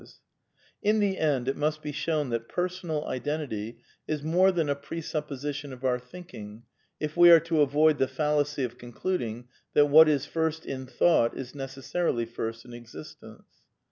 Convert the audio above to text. k 42 A DEFENCE OF IDEALISM In the end it must be shown that personal identity is more than a presupposition of our thinking, if we are to avoid the fallacy of concluding that what is first in thought is necessarily first in existence.